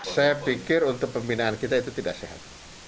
saya pikir untuk pembinaan kita itu tidak sehat